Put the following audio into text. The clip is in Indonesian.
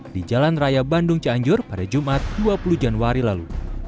di jalan raya bandung cianjur pada jumat dua puluh januari lalu